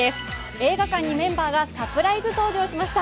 映画館にメンバーがサプライズ登場しました。